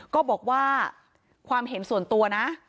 ก็บอกว่าความเห็นส่วนตัวนะ